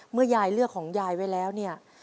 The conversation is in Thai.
ยายเลือกของยายไว้แล้วเนี่ย